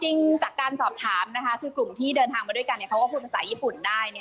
จริงจากการสอบถามคือกลุ่มที่เดินทางมาด้วยกันเขาก็พูดภาษาญี่ปุ่นได้